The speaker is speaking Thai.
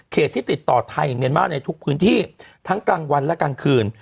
ที่ติดต่อไทยอย่างเมียนมาร์ในทุกพื้นที่ทั้งกลางวันและกลางคืน